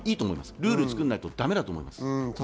ルールを作らないとだめだと思います。